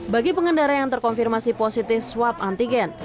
bagi pengendara yang terkonfirmasi positif swab antigen